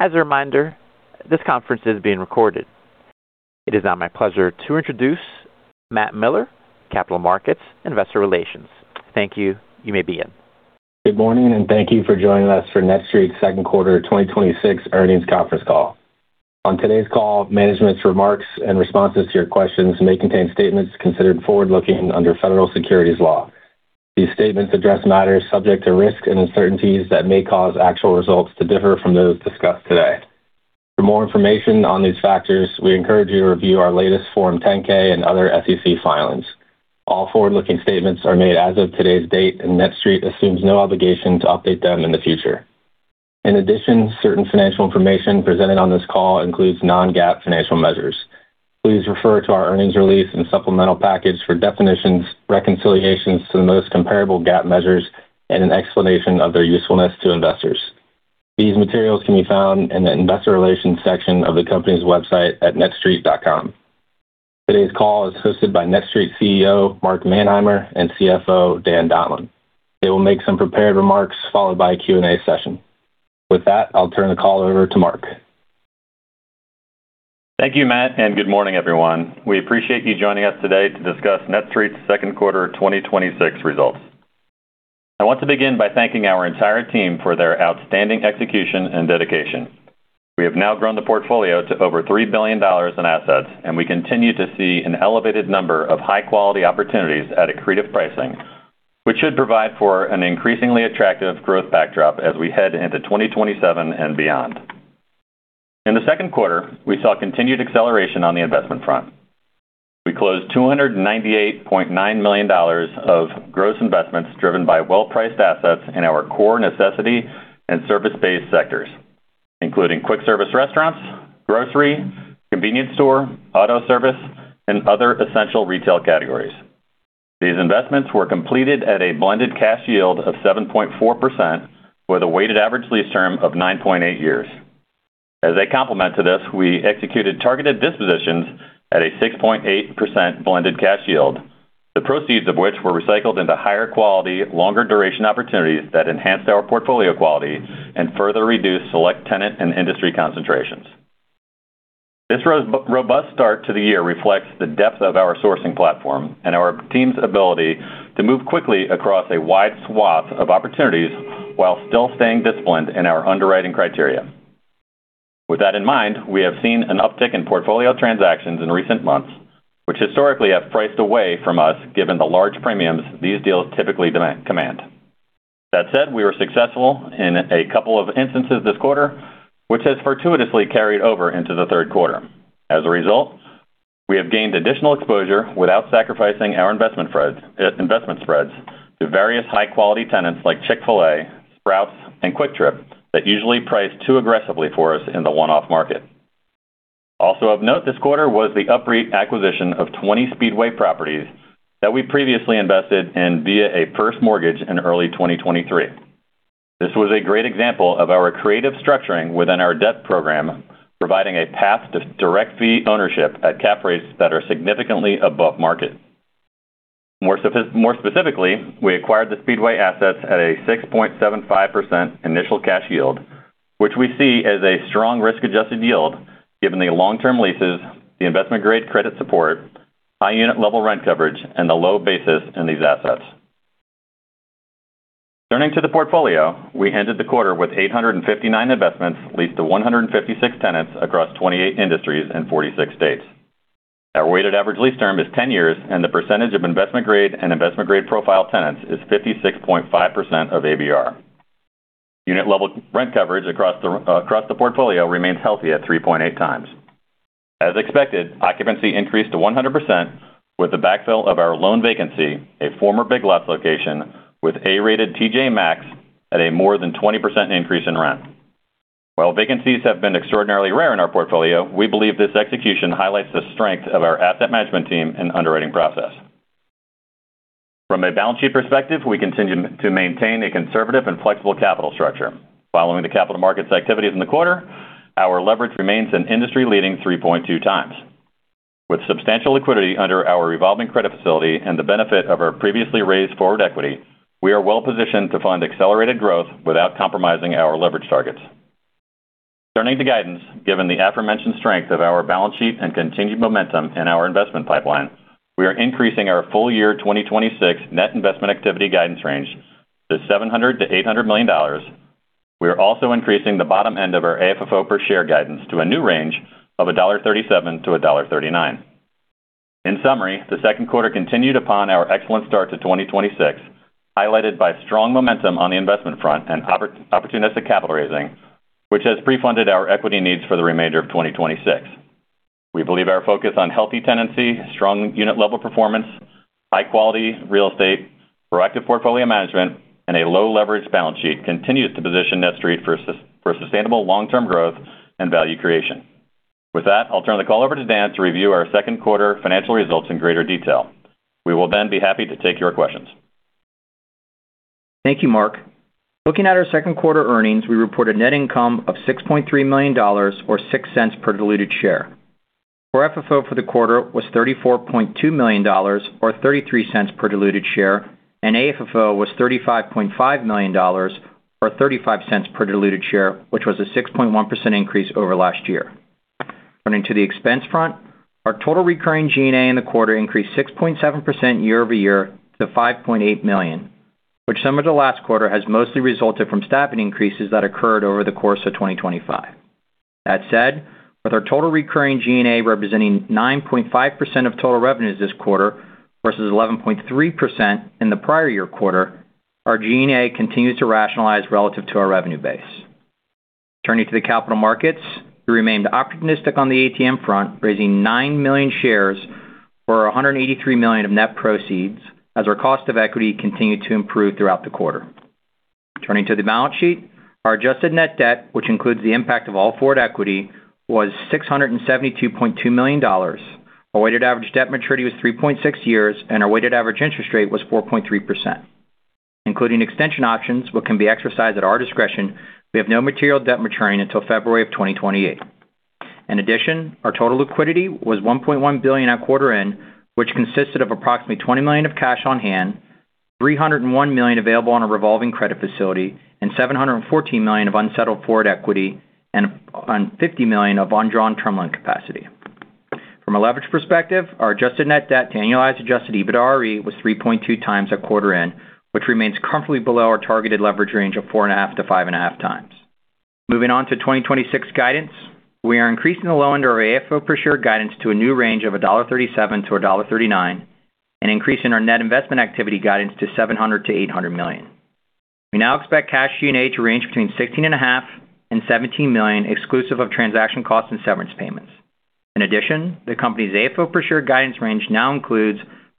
As a reminder, this conference is being recorded. It is now my pleasure to introduce Matt Miller, Capital Markets, Investor Relations. Thank you. You may begin. Good morning, thank you for joining us for NETSTREIT's Second Quarter 2026 Earnings Conference Call. On today's call, management's remarks and responses to your questions may contain statements considered forward-looking under federal securities law. These statements address matters subject to risks and uncertainties that may cause actual results to differ from those discussed today. For more information on these factors, we encourage you to review our latest Form 10-K and other SEC filings. All forward-looking statements are made as of today's date, NETSTREIT assumes no obligation to update them in the future. In addition, certain financial information presented on this call includes non-GAAP financial measures. Please refer to our earnings release and supplemental package for definitions, reconciliations to the most comparable GAAP measures, an explanation of their usefulness to investors. These materials can be found in the Investor Relations section of the company's website at netstreit.com. Today's call is hosted by NETSTREIT CEO Mark Manheimer and CFO Dan Donlan. They will make some prepared remarks followed by a Q&A session. With that, I'll turn the call over to Mark. Thank you, Matt, good morning, everyone. We appreciate you joining us today to discuss NETSTREIT's second quarter 2026 results. I want to begin by thanking our entire team for their outstanding execution and dedication. We have now grown the portfolio to over $3 billion in assets, we continue to see an elevated number of high-quality opportunities at accretive pricing, which should provide for an increasingly attractive growth backdrop as we head into 2027 and beyond. In the second quarter, we saw continued acceleration on the investment front. We closed $298.9 million of gross investments driven by well-priced assets in our core necessity and service-based sectors, including quick service restaurants, grocery, convenience store, auto service, and other essential retail categories. These investments were completed at a blended cash yield of 7.4% with a weighted average lease term of 9.8 years. As a complement to this, we executed targeted dispositions at a 6.8% blended cash yield, the proceeds of which were recycled into higher quality, longer duration opportunities that enhanced our portfolio quality and further reduced select tenant and industry concentrations. This robust start to the year reflects the depth of our sourcing platform and our team's ability to move quickly across a wide swath of opportunities while still staying disciplined in our underwriting criteria. With that in mind, we have seen an uptick in portfolio transactions in recent months, which historically have priced away from us given the large premiums these deals typically command. That said, we were successful in a couple of instances this quarter, which has fortuitously carried over into the third quarter. As a result, we have gained additional exposure without sacrificing our investment spreads to various high-quality tenants like Chick-fil-A, Sprouts, and Kwik Trip that usually price too aggressively for us in the one-off market. Also of note this quarter was the UPREIT acquisition of 20 Speedway properties that we previously invested in via a first mortgage in early 2023. This was a great example of our creative structuring within our debt program, providing a path to direct fee ownership at cap rates that are significantly above market. More specifically, we acquired the Speedway assets at a 6.75% initial cash yield, which we see as a strong risk-adjusted yield given the long-term leases, the investment-grade credit support, high unit level rent coverage, and the low basis in these assets. Turning to the portfolio, we ended the quarter with 859 investments leased to 156 tenants across 28 industries in 46 states. Our weighted average lease term is 10 years, and the percentage of investment-grade and investment-grade profile tenants is 56.5% of ABR. Unit level rent coverage across the portfolio remains healthy at 3.8 times. As expected, occupancy increased to 100% with the backfill of our loan vacancy, a former Big Lots location with A-rated TJ Maxx at a more than 20% increase in rent. While vacancies have been extraordinarily rare in our portfolio, we believe this execution highlights the strength of our asset management team and underwriting process. From a balance sheet perspective, we continue to maintain a conservative and flexible capital structure. Following the capital markets activities in the quarter, our leverage remains an industry-leading 3.2 times. With substantial liquidity under our revolving credit facility and the benefit of our previously raised forward equity, we are well positioned to fund accelerated growth without compromising our leverage targets. Turning to guidance, given the aforementioned strength of our balance sheet and continued momentum in our investment pipeline, we are increasing our full year 2026 net investment activity guidance range to $700 million-$800 million. We are also increasing the bottom end of our AFFO per share guidance to a new range of $1.37-$1.39. In summary, the second quarter continued upon our excellent start to 2026, highlighted by strong momentum on the investment front and opportunistic capital raising, which has prefunded our equity needs for the remainder of 2026. We believe our focus on healthy tenancy, strong unit level performance, high quality real estate, proactive portfolio management, and a low leverage balance sheet continues to position NETSTREIT for sustainable long-term growth and value creation. With that, I'll turn the call over to Dan to review our second quarter financial results in greater detail. We will then be happy to take your questions. Thank you, Mark. Looking at our second quarter earnings, we reported net income of $6.3 million, or $0.06 per diluted share. Core FFO for the quarter was $34.2 million, or $0.33 per diluted share. AFFO was $35.5 million, or $0.35 per diluted share, which was a 6.1% increase over last year. Turning to the expense front, our total recurring G&A in the quarter increased 6.7% year-over-year to $5.8 million, which similar to last quarter, has mostly resulted from staffing increases that occurred over the course of 2025. That said, with our total recurring G&A representing 9.5% of total revenues this quarter versus 11.3% in the prior year quarter, our G&A continues to rationalize relative to our revenue base. Turning to the capital markets, we remained optimistic on the ATM front, raising 9 million shares for $183 million of net proceeds as our cost of equity continued to improve throughout the quarter. Turning to the balance sheet, our adjusted net debt, which includes the impact of all forward equity, was $672.2 million. Our weighted average debt maturity was 3.6 years, and our weighted average interest rate was 4.3%. Including extension options, what can be exercised at our discretion, we have no material debt maturing until February of 2028. In addition, our total liquidity was $1.1 billion at quarter end, which consisted of approximately $20 million of cash on hand, $301 million available on a revolving credit facility, and $714 million of unsettled forward equity and $50 million of undrawn term loan capacity. From a leverage perspective, our adjusted net debt to annualized adjusted EBITDARE was 3.2 times at quarter end, which remains comfortably below our targeted leverage range of four and a half to five and a half times. Moving on to 2026 guidance, we are increasing the low end of our AFFO per share guidance to a new range of $1.37-$1.39, and increasing our net investment activity guidance to $700 million-$800 million. We now expect cash G&A to range between $16.5 million and $17 million, exclusive of transaction costs and severance payments. In addition, the company's AFFO per share guidance range now includes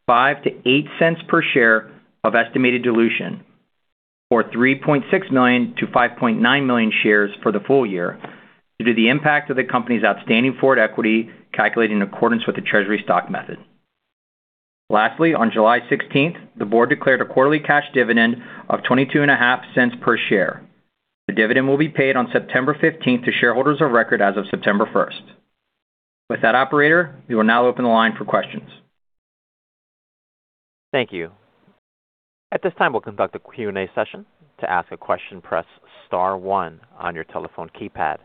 $0.05-$0.08 per share of estimated dilution, or 3.6 million-5.9 million shares for the full year, due to the impact of the company's outstanding forward equity calculated in accordance with the treasury stock method. Lastly, on July 16th, the board declared a quarterly cash dividend of $0.225 per share. The dividend will be paid on September 15th to shareholders of record as of September 1st. With that, operator, we will now open the line for questions. Thank you. At this time, we'll conduct a Q&A session. To ask a question, press star one on your telephone keypad.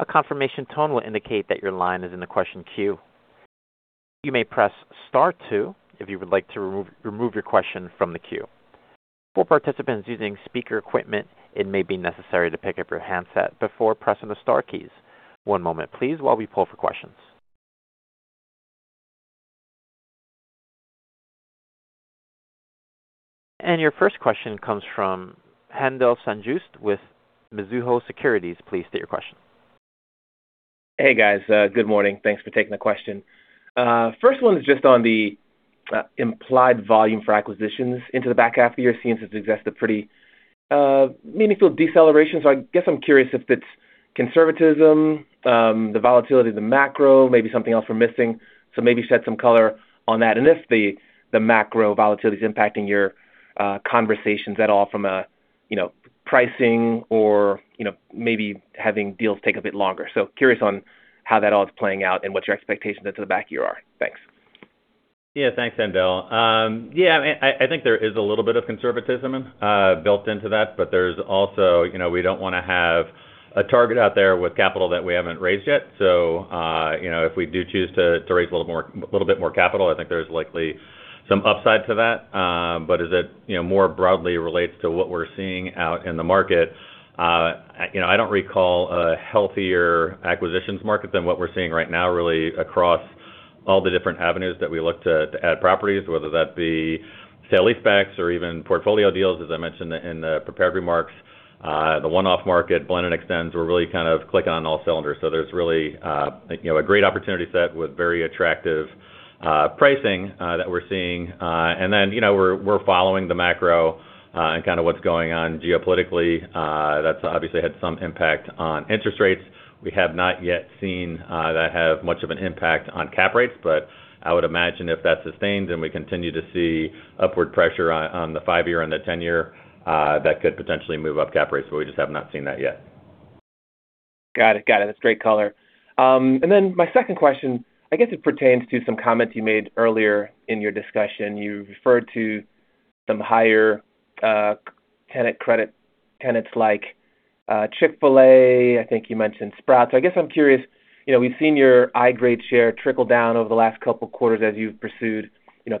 A confirmation tone will indicate that your line is in the question queue. You may press star two if you would like to remove your question from the queue. For participants using speaker equipment, it may be necessary to pick up your handset before pressing the star keys. One moment, please, while we pull for questions. Your first question comes from Haendel St. Juste with Mizuho Securities. Please state your question. Hey, guys. Good morning. Thanks for taking the question. First one is just on the implied volume for acquisitions into the back half of the year. It seems it's exhausted pretty meaningful deceleration. I guess I'm curious if it's conservatism, the volatility of the macro, maybe something else we're missing. Maybe shed some color on that. If the macro volatility is impacting your conversations at all from a pricing or maybe having deals take a bit longer. Curious on how that all is playing out and what your expectations into the back half are. Thanks. Thanks, Haendel. I think there is a little bit of conservatism built into that, but there is also we do not want to have a target out there with capital that we have not raised yet. If we do choose to raise a little bit more capital, I think there is likely some upside to that. As it more broadly relates to what we are seeing out in the market, I do not recall a healthier acquisitions market than what we are seeing right now, really across all the different avenues that we look to add properties, whether that be sale lease backs or even portfolio deals, as I mentioned in the prepared remarks. The one-off market blend and extends, we are really kind of clicking on all cylinders. There is really a great opportunity set with very attractive pricing that we are seeing. We are following the macro and kind of what is going on geopolitically. That has obviously had some impact on interest rates. We have not yet seen that have much of an impact on cap rates, but I would imagine if that sustains, and we continue to see upward pressure on the 5-year and the 10-year, that could potentially move up cap rates, but we just have not seen that yet. Got it. That is great color. My second question, I guess it pertains to some comments you made earlier in your discussion. You referred to some higher credit tenants like Chick-fil-A, I think you mentioned Sprouts. I guess I am curious, we have seen your IG grade share trickle down over the last couple quarters as you have pursued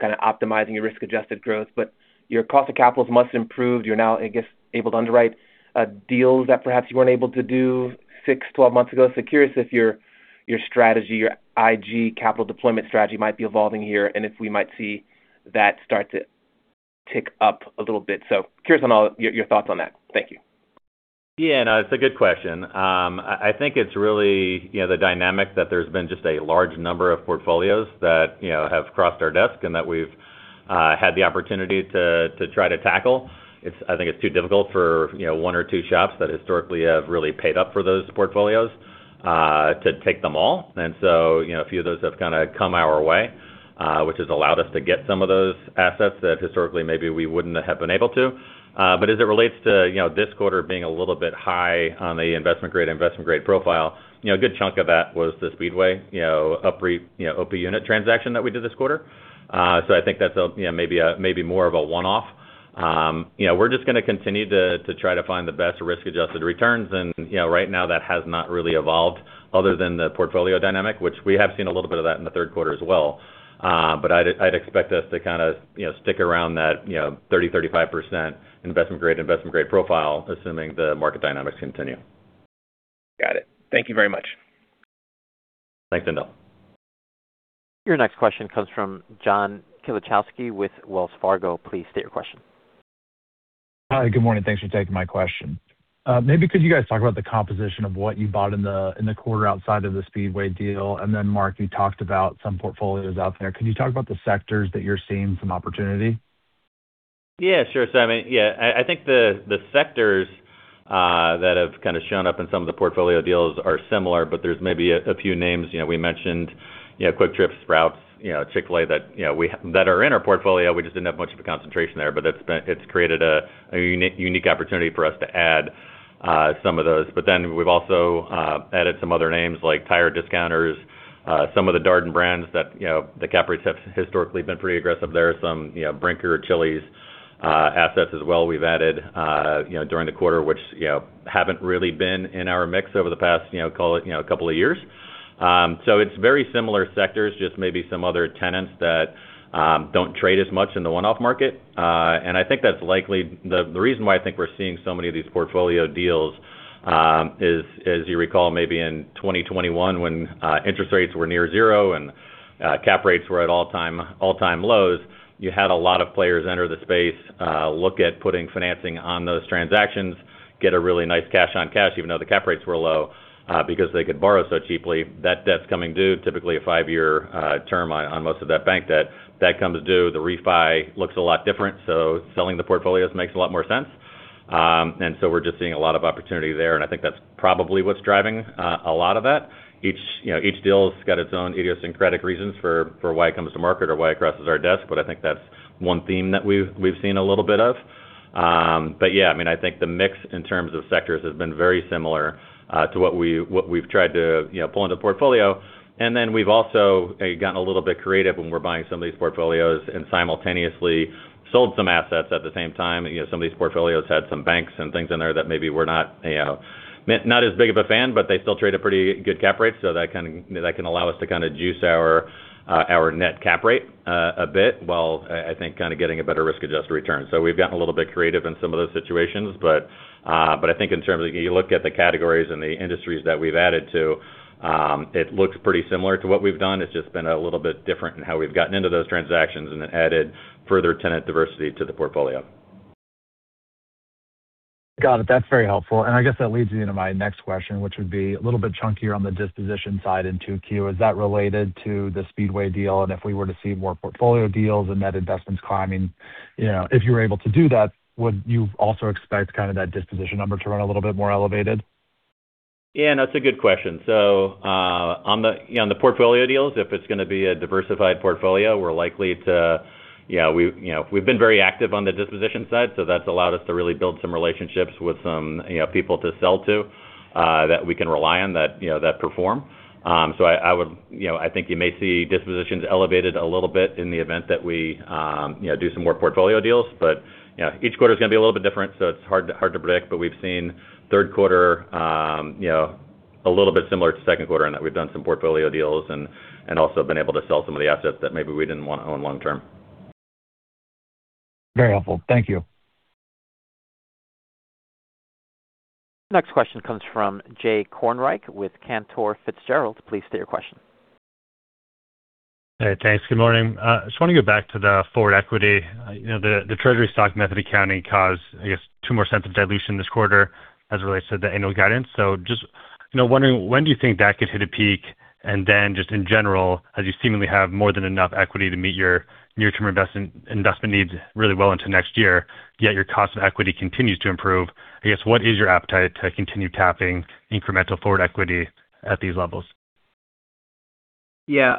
kind of optimizing your risk-adjusted growth, but your cost of capital has much improved. You are now, I guess, able to underwrite deals that perhaps you were not able to do 6, 12 months ago. Curious if your strategy, your IG capital deployment strategy might be evolving here, and if we might see that start to tick up a little bit. Curious on all your thoughts on that. Thank you. No, it is a good question. I think it is really the dynamic that there has been just a large number of portfolios that have crossed our desk and that we have had the opportunity to try to tackle. I think it is too difficult for one or two shops that historically have really paid up for those portfolios to take them all. A few of those have kind of come our way, which has allowed us to get some of those assets that historically maybe we would not have been able to. As it relates to this quarter being a little bit high on the investment grade profile, a good chunk of that was the Speedway OP Unit transaction that we did this quarter. I think that is maybe more of a one-off. We're just going to continue to try to find the best risk-adjusted returns. Right now, that has not really evolved other than the portfolio dynamic, which we have seen a little bit of that in the third quarter as well. I'd expect us to stick around that 30%, 35% investment grade profile, assuming the market dynamics continue. Got it. Thank you very much. Thanks, Haendel. Your next question comes from John Kilichowski with Wells Fargo. Please state your question. Hi. Good morning. Thanks for taking my question. Maybe could you guys talk about the composition of what you bought in the quarter outside of the Speedway deal? Mark, you talked about some portfolios out there. Can you talk about the sectors that you're seeing some opportunity? Yeah, sure. I think the sectors that have shown up in some of the portfolio deals are similar, but there's maybe a few names. We mentioned Kwik Trip, Sprouts, Chick-fil-A that are in our portfolio. We just didn't have much of a concentration there, but it's created a unique opportunity for us to add some of those. We've also added some other names like Tire Discounters, some of the Darden brands that the cap rates have historically been pretty aggressive there. Some Brinker, Chili's assets as well we've added during the quarter, which haven't really been in our mix over the past call it a couple of years. It's very similar sectors, just maybe some other tenants that don't trade as much in the one-off market. The reason why I think we're seeing so many of these portfolio deals is, as you recall, maybe in 2021 when interest rates were near zero and cap rates were at all-time lows, you had a lot of players enter the space, look at putting financing on those transactions, get a really nice cash on cash, even though the cap rates were low, because they could borrow so cheaply. That debt's coming due, typically a 5-year term on most of that bank debt. That comes due. The refi looks a lot different, so selling the portfolios makes a lot more sense. We're just seeing a lot of opportunity there, and I think that's probably what's driving a lot of that. Each deal's got its own idiosyncratic reasons for why it comes to market or why it crosses our desk, but I think that's one theme that we've seen a little bit of. I think the mix in terms of sectors has been very similar to what we've tried to pull into portfolio. We've also gotten a little bit creative when we're buying some of these portfolios and simultaneously sold some assets at the same time. Some of these portfolios had some banks and things in there that maybe we're not as big of a fan, but they still trade a pretty good cap rate, so that can allow us to juice our net cap rate a bit, while I think getting a better risk-adjusted return. We've gotten a little bit creative in some of those situations. I think in terms of, you look at the categories and the industries that we've added to, it looks pretty similar to what we've done. It's just been a little bit different in how we've gotten into those transactions and then added further tenant diversity to the portfolio. Got it. That's very helpful. I guess that leads me into my next question, which would be a little bit chunkier on the disposition side in 2Q. Is that related to the Speedway deal? If we were to see more portfolio deals and net investments climbing, if you're able to do that, would you also expect that disposition number to run a little bit more elevated? Yeah, that's a good question. On the portfolio deals, if it's going to be a diversified portfolio, We've been very active on the disposition side, so that's allowed us to really build some relationships with some people to sell to, that we can rely on, that perform. I think you may see dispositions elevated a little bit in the event that we do some more portfolio deals. Each quarter's going to be a little bit different, so it's hard to predict. We've seen third quarter a little bit similar to second quarter in that we've done some portfolio deals and also been able to sell some of the assets that maybe we didn't want to own long term. Very helpful. Thank you. Next question comes from Jay Kornreich with Cantor Fitzgerald. Please state your question. Hey, thanks. Good morning. I just want to go back to the forward equity. The Treasury stock method accounting caused, I guess, $0.02 more of dilution this quarter as it relates to the annual guidance. Just wondering, when do you think that could hit a peak? And then just in general, as you seemingly have more than enough equity to meet your near-term investment needs really well into next year, yet your cost of equity continues to improve, I guess, what is your appetite to continue tapping incremental forward equity at these levels? Yeah.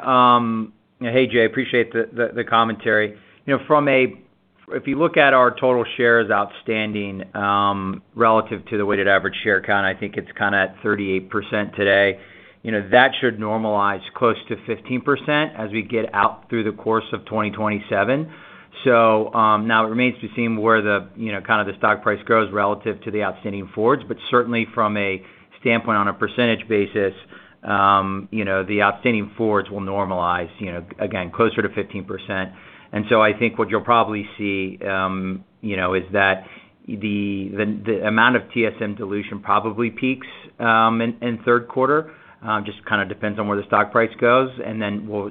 Hey, Jay. Appreciate the commentary. If you look at our total shares outstanding, relative to the weighted average share count, I think it's kind of at 38% today. That should normalize close to 15% as we get out through the course of 2027. Now it remains to be seen where the stock price grows relative to the outstanding forwards, but certainly from a standpoint on a percentage basis, the outstanding forwards will normalize, again, closer to 15%. I think what you'll probably see is that the amount of TSM dilution probably peaks in third quarter. Just kind of depends on where the stock price goes. Then we'll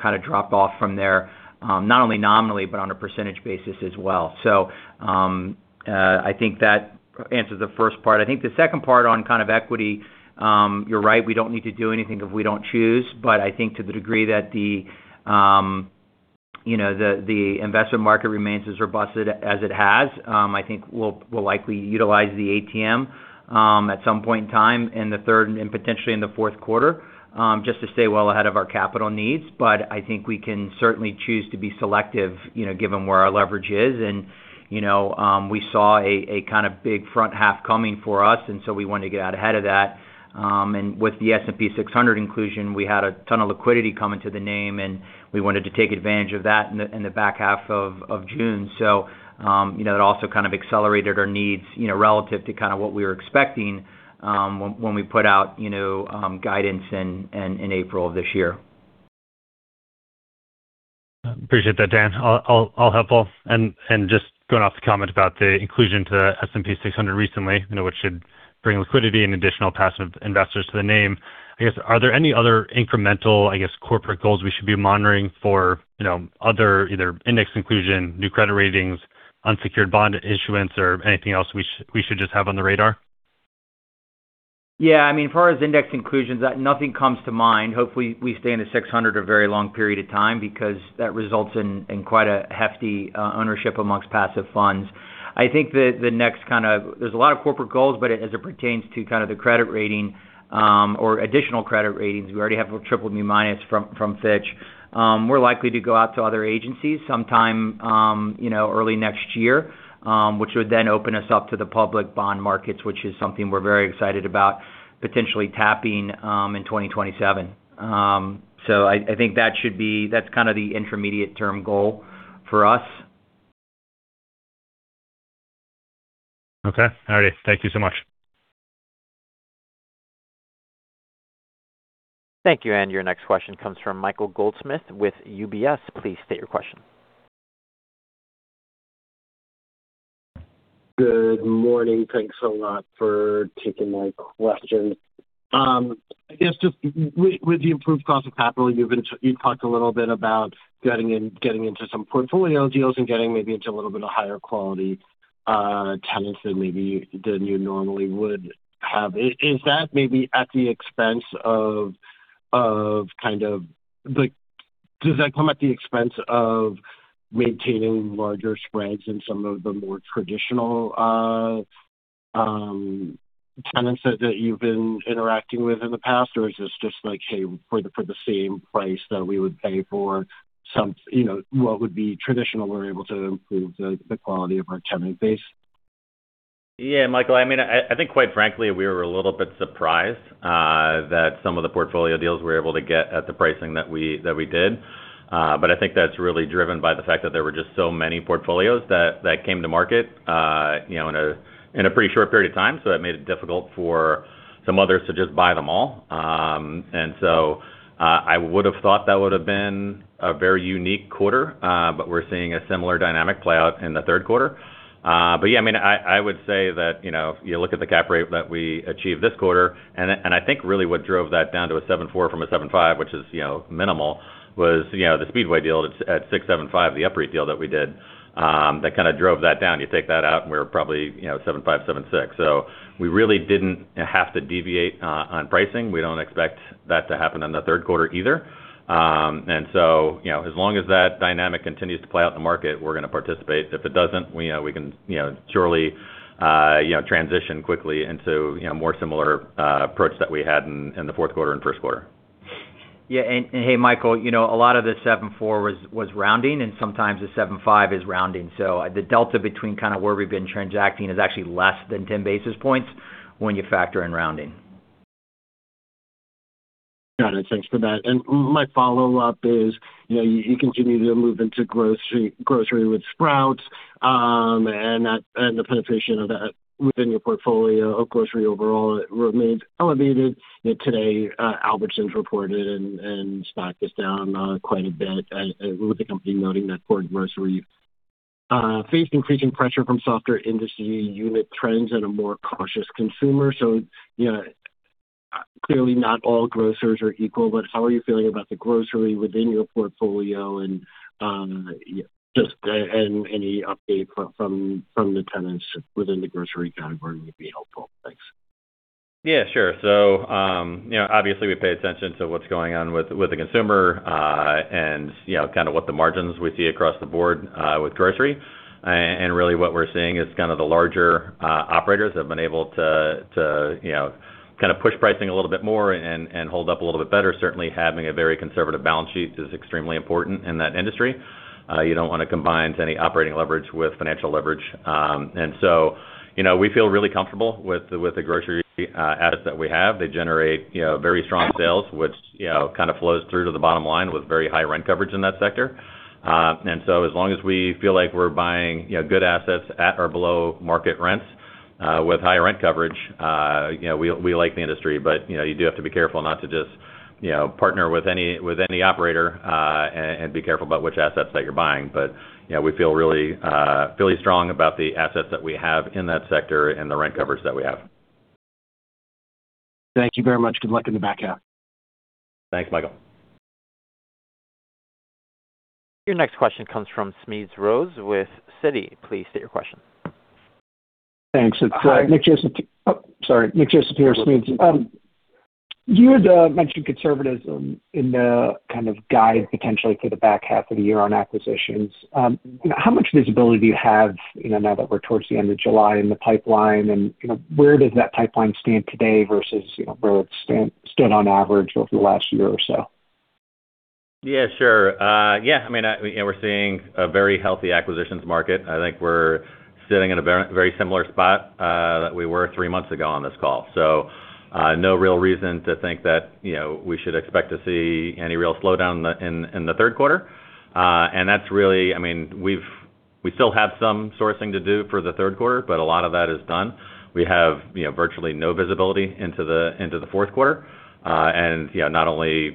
kind of drop off from there, not only nominally, but on a percentage basis as well. I think that answers the first part. I think the second part on kind of equity, you're right, we don't need to do anything if we don't choose. I think to the degree that the investment market remains as robust as it has, I think we'll likely utilize the ATM at some point in time in the third and potentially in the fourth quarter, just to stay well ahead of our capital needs. I think we can certainly choose to be selective given where our leverage is. We saw a kind of big front half coming for us, we wanted to get out ahead of that. With the S&P 600 inclusion, we had a ton of liquidity coming to the name, and we wanted to take advantage of that in the back half of June. That also kind of accelerated our needs relative to what we were expecting when we put out guidance in April of this year. Appreciate that, Dan. All helpful. Just going off the comment about the inclusion to the S&P 600 recently, which should bring liquidity and additional passive investors to the name. Are there any other incremental corporate goals we should be monitoring for other either index inclusion, new credit ratings, unsecured bond issuance, or anything else we should just have on the radar? As far as index inclusions, nothing comes to mind. Hopefully, we stay in the 600 a very long period of time because that results in quite a hefty ownership amongst passive funds. I think there's a lot of corporate goals, but as it pertains to the credit rating, or additional credit ratings, we already have a BBB- from Fitch. We're likely to go out to other agencies sometime early next year, which would then open us up to the public bond markets, which is something we're very excited about potentially tapping in 2027. I think that's the intermediate term goal for us. Thank you so much. Thank you. Your next question comes from Michael Goldsmith with UBS. Please state your question. Good morning. Thanks a lot for taking my question. I guess, just with the improved cost of capital, you've talked a little bit about getting into some portfolio deals and getting maybe into a little bit of higher quality tenants than you normally would have. Does that come at the expense of maintaining larger spreads in some of the more traditional tenants that you've been interacting with in the past? Or is this just like, "Hey, for the same price that we would pay for what would be traditional, we're able to improve the quality of our tenant base. Yeah, Michael. I think quite frankly, we were a little bit surprised that some of the portfolio deals we're able to get at the pricing that we did. I think that's really driven by the fact that there were just so many portfolios that came to market in a pretty short period of time. That made it difficult for some others to just buy them all. I would've thought that would've been a very unique quarter. We're seeing a similar dynamic play out in the third quarter. Yeah, I would say that if you look at the cap rate that we achieved this quarter, and I think really what drove that down to 7.4 from 7.5, which is minimal, was the Speedway deal at 6.75, the upfront deal that we did, that kind of drove that down. You take that out we're probably 7.5, 7.6. We really didn't have to deviate on pricing. We don't expect that to happen in the third quarter either. As long as that dynamic continues to play out in the market, we're going to participate. If it doesn't, we can surely transition quickly into more similar approach that we had in the fourth quarter and first quarter. Yeah. Hey, Michael, a lot of the 7.4 was rounding, and sometimes the 7.5 is rounding. The delta between where we've been transacting is actually less than 10 basis points when you factor in rounding. Got it. Thanks for that. My follow-up is, you continue to move into grocery with Sprouts, and the penetration of that within your portfolio of grocery overall remains elevated. Today, Albertsons reported, and stock is down quite a bit, with the company noting that core grocery faced increasing pressure from softer industry unit trends and a more cautious consumer. Clearly not all grocers are equal, but how are you feeling about the grocery within your portfolio? Just any update from the tenants within the grocery category would be helpful. Thanks. Yeah, sure. Obviously we pay attention to what's going on with the consumer, and what the margins we see across the board, with grocery. Really what we're seeing is the larger operators have been able to push pricing a little bit more and hold up a little bit better. Certainly having a very conservative balance sheet is extremely important in that industry. You don't want to combine any operating leverage with financial leverage. We feel really comfortable with the grocery assets that we have. They generate very strong sales, which kind of flows through to the bottom line with very high rent coverage in that sector. As long as we feel like we're buying good assets at or below market rents, with high rent coverage, we like the industry. You do have to be careful not to just partner with any operator, and be careful about which assets that you're buying. We feel really strong about the assets that we have in that sector and the rent coverage that we have. Thank you very much. Good luck in the back half. Thanks, Michael. Your next question comes from Smedes Rose with Citi. Please state your question. Thanks. Hi. It's Nick Joseph. Oh, sorry. Nick Joseph here with Citi. You had mentioned conservatism in the kind of guide potentially for the back half of the year on acquisitions. How much visibility do you have now that we're towards the end of July in the pipeline, and where does that pipeline stand today versus where it stood on average over the last year or so? Yeah, sure. We're seeing a very healthy acquisitions market. I think we're sitting in a very similar spot that we were three months ago on this call. No real reason to think that we should expect to see any real slowdown in the third quarter. That's really, we still have some sourcing to do for the third quarter, but a lot of that is done. We have virtually no visibility into the fourth quarter. Not only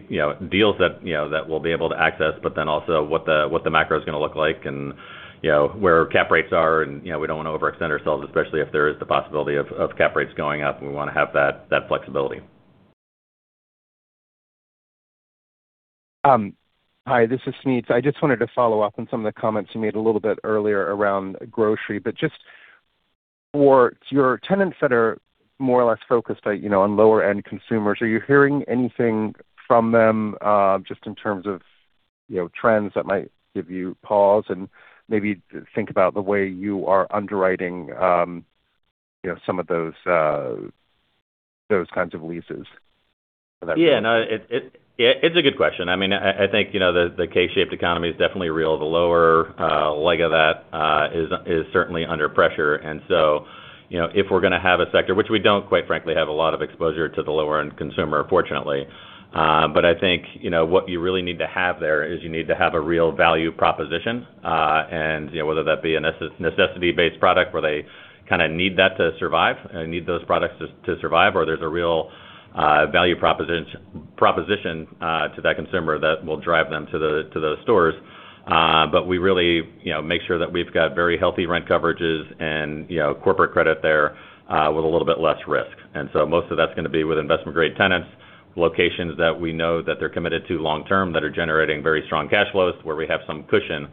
deals that we'll be able to access, also what the macro is going to look like and where cap rates are. We don't want to overextend ourselves, especially if there is the possibility of cap rates going up. We want to have that flexibility. Hi, this is Smedes. I just wanted to follow up on some of the comments you made a little bit earlier around grocery. Just for your tenants that are more or less focused on lower-end consumers, are you hearing anything from them, just in terms of trends that might give you pause and maybe think about the way you are underwriting some of those kinds of leases? Yeah. No, it's a good question. I think, the K-shaped economy is definitely real. The lower leg of that is certainly under pressure. If we're going to have a sector, which we don't, quite frankly, have a lot of exposure to the lower-end consumer, fortunately. I think what you really need to have there is you need to have a real value proposition. Whether that be a necessity-based product where they kind of need that to survive or need those products to survive, or there's a real value proposition to that consumer that will drive them to those stores. We really make sure that we've got very healthy rent coverages and corporate credit there, with a little bit less risk. Most of that's going to be with investment-grade tenants, locations that we know that they're committed to long term, that are generating very strong cash flows where we have some cushion,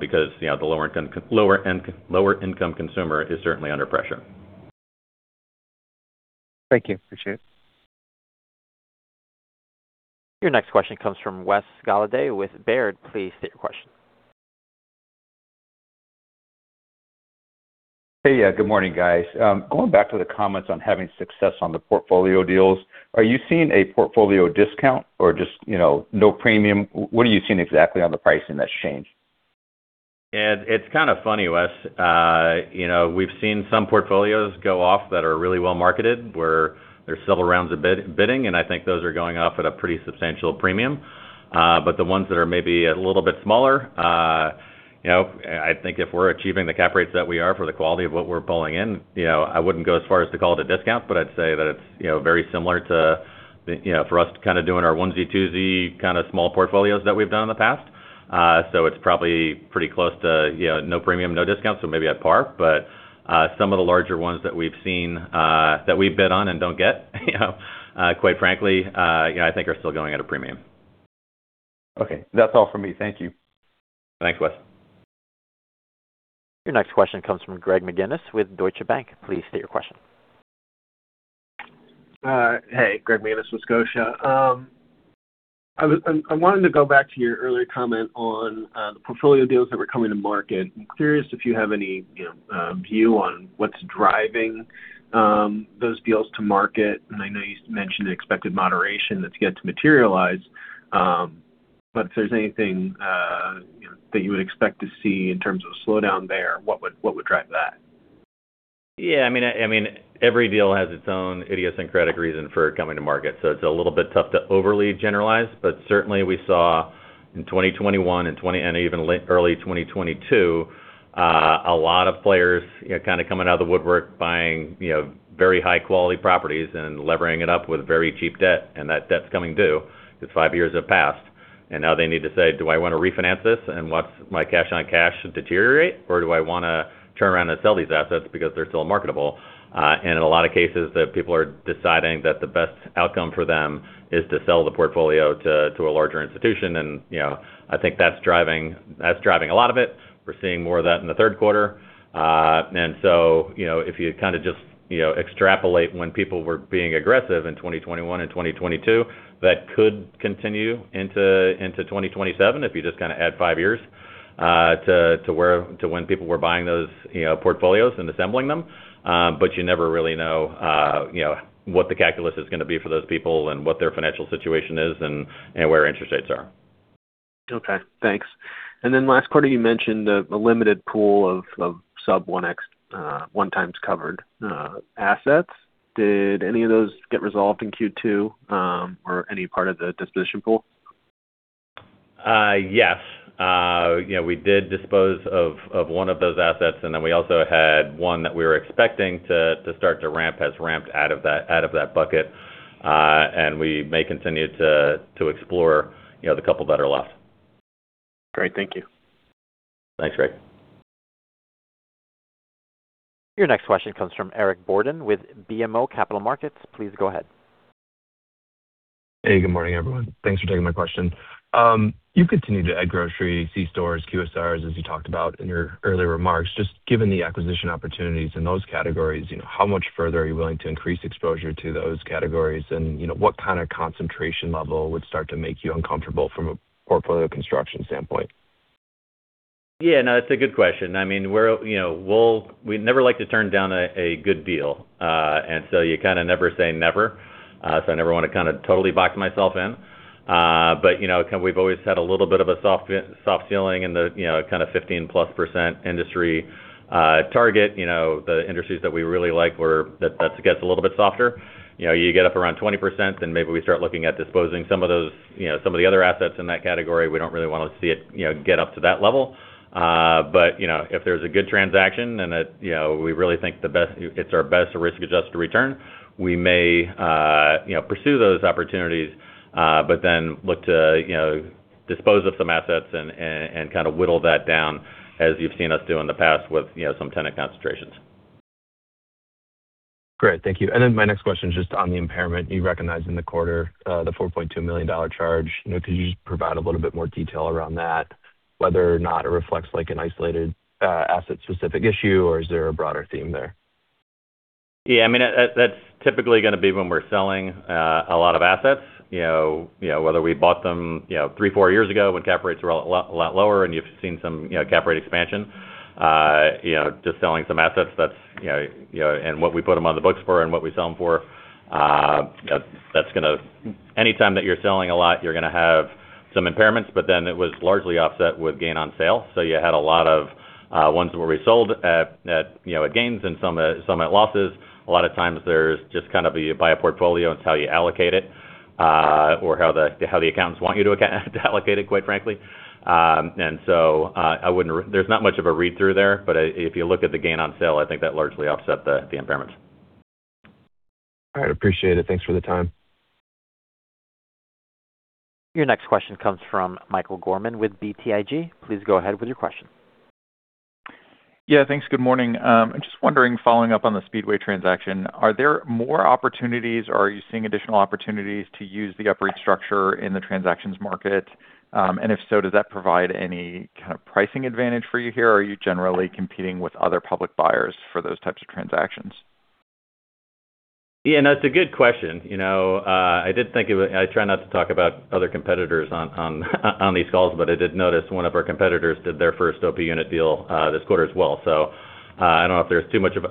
because the lower-income consumer is certainly under pressure. Thank you. Appreciate it. Your next question comes from Wes Golladay with Baird. Please state your question. Hey. Good morning, guys. Going back to the comments on having success on the portfolio deals, are you seeing a portfolio discount or just no premium? What are you seeing exactly on the pricing that's changed? It's kind of funny, Wes. We've seen some portfolios go off that are really well marketed, where there's several rounds of bidding, I think those are going off at a pretty substantial premium. The ones that are maybe a little bit smaller, I think if we're achieving the cap rates that we are for the quality of what we're pulling in, I wouldn't go as far as to call it a discount, but I'd say that it's very similar to for us kind of doing our 1Z, 2Z kind of small portfolios that we've done in the past. It's probably pretty close to no premium, no discount, so maybe at par. Some of the larger ones that we've seen, that we bid on and don't get quite frankly, I think are still going at a premium. Okay. That's all for me. Thank you. Thanks, Wes. Your next question comes from Greg McGinniss with Scotia. Please state your question. Hey. Greg McGinniss with Scotia. I wanted to go back to your earlier comment on the portfolio deals that were coming to market. I'm curious if you have any view on what's driving those deals to market. I know you mentioned expected moderation that's yet to materialize. If there's anything that you would expect to see in terms of a slowdown there, what would drive that? Yeah. Every deal has its own idiosyncratic reason for coming to market, so it's a little bit tough to overly generalize. Certainly we saw in 2021 and even early 2022, a lot of players kind of coming out of the woodwork, buying very high-quality properties and levering it up with very cheap debt. That debt's coming due, because five years have passed. Now they need to say, "Do I want to refinance this and watch my cash on cash deteriorate, or do I want to turn around and sell these assets because they're still marketable?" In a lot of cases, the people are deciding that the best outcome for them is to sell the portfolio to a larger institution. I think that's driving a lot of it. We're seeing more of that in the third quarter. If you kind of just extrapolate when people were being aggressive in 2021 and 2022, that could continue into 2027 if you just kind of add five years, to when people were buying those portfolios and assembling them. You never really know what the calculus is going to be for those people and what their financial situation is and where interest rates are. Okay, thanks. Last quarter, you mentioned the limited pool of sub 1x, one times covered assets. Did any of those get resolved in Q2, or any part of the disposition pool? Yes. We did dispose of one of those assets, we also had one that we were expecting to start to ramp, has ramped out of that bucket. We may continue to explore the couple that are left. Great. Thank you. Thanks, Greg. Your next question comes from Eric Borden with BMO Capital Markets. Please go ahead. Hey, good morning, everyone. Thanks for taking my question. You've continued to add grocery, C-stores, QSRs, as you talked about in your earlier remarks. Just given the acquisition opportunities in those categories, how much further are you willing to increase exposure to those categories? What kind of concentration level would start to make you uncomfortable from a portfolio construction standpoint? It's a good question. We'd never like to turn down a good deal. You kind of never say never. I never want to kind of totally box myself in. We've always had a little bit of a soft ceiling in the kind of 15-plus % industry target. The industries that we really like where that gets a little bit softer. You get up around 20%, maybe we start looking at disposing some of the other assets in that category. We don't really want to see it get up to that level. If there's a good transaction and we really think it's our best risk-adjusted return, we may pursue those opportunities, look to dispose of some assets and whittle that down as you've seen us do in the past with some tenant concentrations. Great, thank you. My next question is just on the impairment you recognized in the quarter, the $4.2 million charge. Can you just provide a little bit more detail around that, whether or not it reflects an isolated asset-specific issue, or is there a broader theme there? That's typically going to be when we're selling a lot of assets, whether we bought them three, four years ago when cap rates were a lot lower and you've seen some cap rate expansion, just selling some assets and what we put them on the books for and what we sell them for. Anytime that you're selling a lot, you're going to have some impairments, it was largely offset with gain on sale. You had a lot of ones where we sold at gains and some at losses. A lot of times there's just you buy a portfolio, it's how you allocate it, or how the accountants want you to allocate it, quite frankly. There's not much of a read-through there, if you look at the gain on sale, I think that largely offset the impairments. All right. Appreciate it. Thanks for the time. Your next question comes from Michael Gorman with BTIG. Please go ahead with your question. Yeah, thanks. Good morning. I'm just wondering, following up on the Speedway transaction, are there more opportunities or are you seeing additional opportunities to use the UPREIT structure in the transactions market? If so, does that provide any kind of pricing advantage for you here, or are you generally competing with other public buyers for those types of transactions? Yeah, that's a good question. I try not to talk about other competitors on these calls, I did notice one of our competitors did their first OP Unit deal this quarter as well. I don't know if there's too much of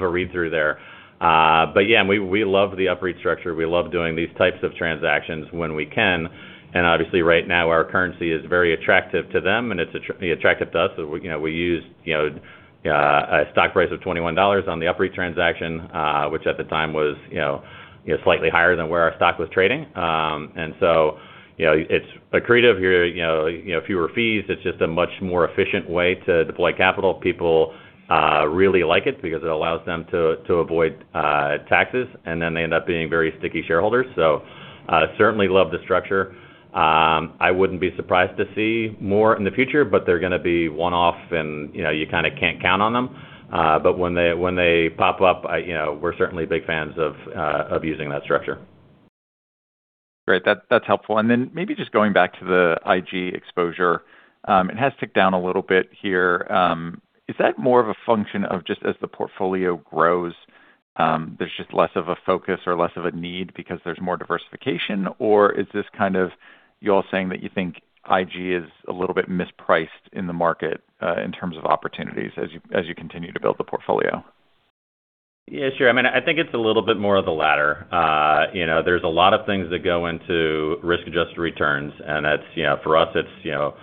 a read-through there. Yeah, we love the UPREIT structure. We love doing these types of transactions when we can. Obviously right now our currency is very attractive to them and it's attractive to us. We used a stock price of $21 on the UPREIT transaction, which at the time was slightly higher than where our stock was trading. It's accretive, fewer fees. It's just a much more efficient way to deploy capital. People really like it because it allows them to avoid taxes, they end up being very sticky shareholders. Certainly love the structure. I wouldn't be surprised to see more in the future, they're going to be one-off and you kind of can't count on them. When they pop up, we're certainly big fans of using that structure. Great. That is helpful. Maybe just going back to the IG exposure. It has ticked down a little bit here. Is that more of a function of just as the portfolio grows, there is just less of a focus or less of a need because there is more diversification? Or is this kind of you all saying that you think IG is a little bit mispriced in the market, in terms of opportunities as you continue to build the portfolio? Yeah, sure. I think it is a little bit more of the latter. There is a lot of things that go into risk-adjusted returns, for us it is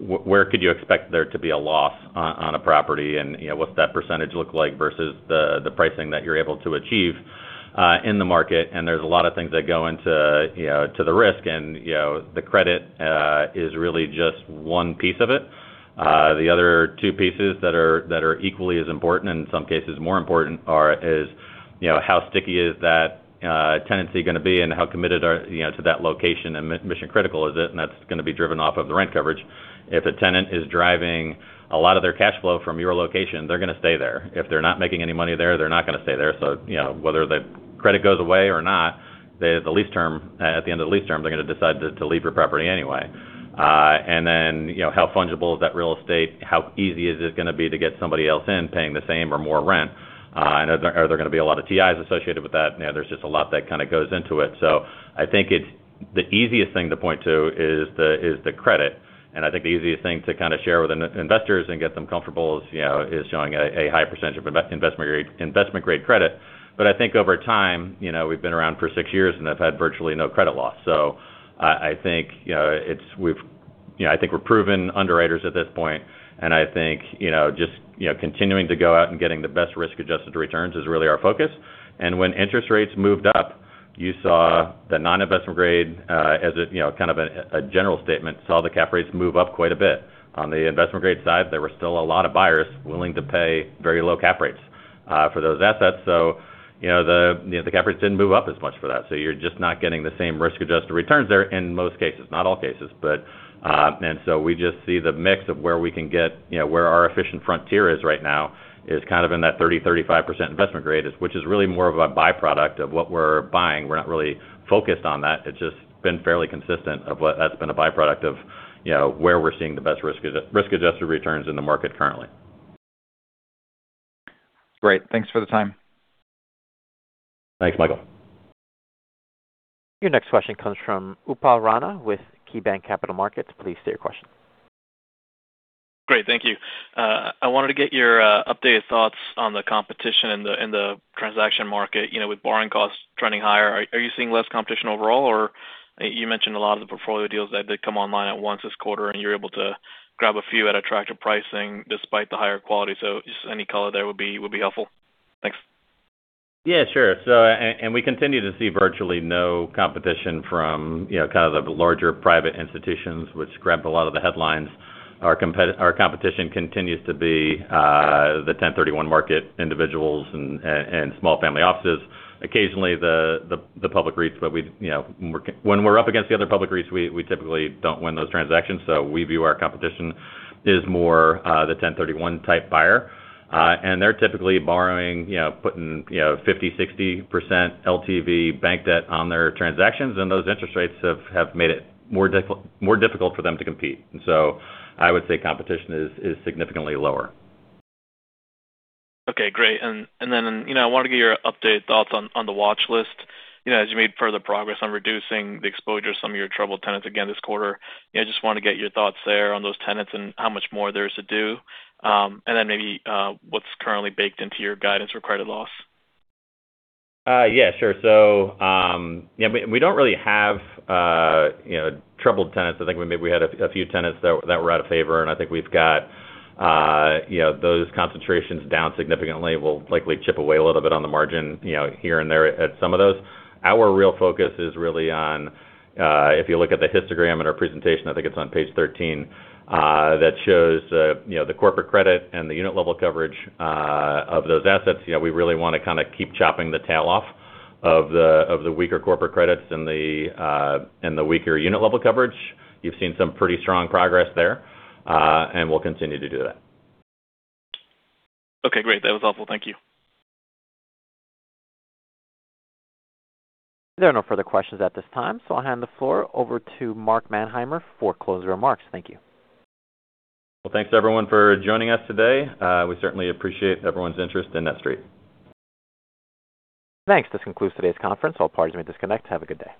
where could you expect there to be a loss on a property and what is that percentage look like versus the pricing that you are able to achieve in the market. There is a lot of things that go into the risk, the credit is really just one piece of it. The other two pieces that are equally as important, and in some cases more important are, is how sticky is that tenancy going to be and how committed to that location and mission-critical is it? That is going to be driven off of the rent coverage. If a tenant is deriving a lot of their cash flow from your location, they are going to stay there. If they are not making any money there, they are not going to stay there. Whether the credit goes away or not, at the end of the lease term, they are going to decide to leave your property anyway. How fungible is that real estate? How easy is it going to be to get somebody else in paying the same or more rent? Are there going to be a lot of TIs associated with that? There is just a lot that kind of goes into it. I think the easiest thing to point to is the credit. I think the easiest thing to kind of share with investors and get them comfortable is showing a high percentage of investment-grade credit. I think over time, we have been around for six years, I have had virtually no credit loss. I think we are proven underwriters at this point, I think just continuing to go out and getting the best risk-adjusted returns is really our focus. When interest rates moved up, you saw the non-investment grade, as kind of a general statement, saw the cap rates move up quite a bit. On the investment-grade side, there were still a lot of buyers willing to pay very low cap rates for those assets. The cap rates did not move up as much for that. You are just not getting the same risk-adjusted returns there in most cases. Not all cases. We just see the mix of where our efficient frontier is right now is kind of in that 30%-35% investment grade, which is really more of a byproduct of what we are buying. We are not really focused on that. It's just been fairly consistent of what has been a byproduct of where we're seeing the best risk-adjusted returns in the market currently. Great. Thanks for the time. Thanks, Michael. Your next question comes from Upal Rana with KeyBanc Capital Markets. Please state your question. Great. Thank you. I wanted to get your updated thoughts on the competition in the transaction market. With borrowing costs trending higher, are you seeing less competition overall? You mentioned a lot of the portfolio deals that did come online at once this quarter and you're able to grab a few at attractive pricing despite the higher quality. Just any color there would be helpful. Thanks. Yeah, sure. We continue to see virtually no competition from kind of the larger private institutions which grabbed a lot of the headlines. Our competition continues to be the 1031 market individuals and small family offices. Occasionally, the public REITs. When we're up against the other public REITs, we typically don't win those transactions. We view our competition is more the 1031 type buyer. They're typically borrowing, putting 50%, 60% LTV bank debt on their transactions. Those interest rates have made it more difficult for them to compete. I would say competition is significantly lower. Okay, great. I wanted to get your update thoughts on the watch list. As you made further progress on reducing the exposure of some of your troubled tenants again this quarter, I just want to get your thoughts there on those tenants and how much more there is to do. Maybe what's currently baked into your guidance for credit loss. Yeah, sure. We don't really have troubled tenants. I think maybe we had a few tenants that were out of favor. I think we've got those concentrations down significantly. We'll likely chip away a little bit on the margin here and there at some of those. Our real focus is really on, if you look at the histogram in our presentation, I think it's on page 13, that shows the corporate credit and the unit level coverage of those assets. We really want to kind of keep chopping the tail off of the weaker corporate credits and the weaker unit level coverage. You've seen some pretty strong progress there. We'll continue to do that. Okay, great. That was all. Thank you. There are no further questions at this time. I'll hand the floor over to Mark Manheimer for closing remarks. Thank you. Well, thanks everyone for joining us today. We certainly appreciate everyone's interest in NETSTREIT. Thanks. This concludes today's conference. All parties may disconnect. Have a good day.